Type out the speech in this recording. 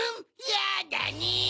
やだね！